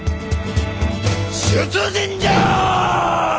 出陣じゃ！